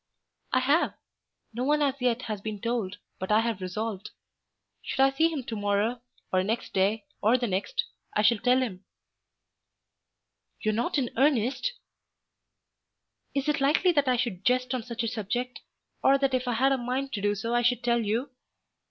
"I have. No one as yet has been told, but I have resolved. Should I see him to morrow, or next day, or the next, I shall tell him." "You are not in earnest?" "Is it likely that I should jest on such a subject; or that if I had a mind to do so I should tell you?